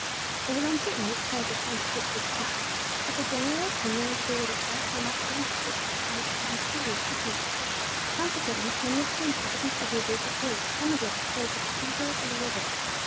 "It was uncertain which part of the town the troops would attack, but the general opinion was they would attack the [Macarena] district in which San Basilio is situated; consequently many of the inhabitants of the adjacent quarters emigrated towards the cathedral and the river.